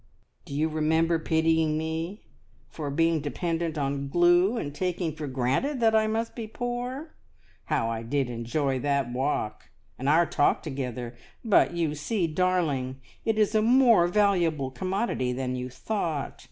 Do you remember pitying me for being dependent on glue, and taking for granted I must be poor? How I did enjoy that walk, and our talk together! But you see, darling, it is a more valuable commodity than you thought.